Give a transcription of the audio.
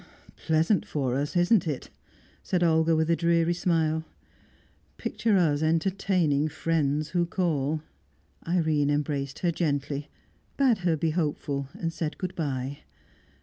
"Pleasant for us, isn't it?" said Olga, with a dreary smile. "Picture us entertaining friends who call!" Irene embraced her gently, bade her be hopeful, and said good bye.